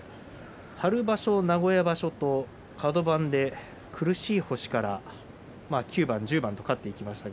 春場所、名古屋場所とカド番で苦しい星から９番、１０番と勝っていきました。